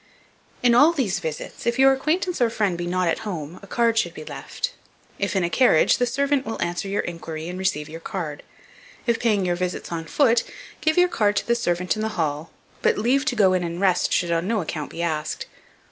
In all these visits, if your acquaintance or friend be not at home, a card should be left. If in a carriage, the servant will answer your inquiry and receive your card; if paying your visits on foot, give your card to the servant in the hall, but leave to go in and rest should on no account be asked.